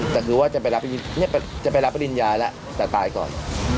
แต่คือว่าจะไปรับปริญญาแล้วแต่ตายก่อน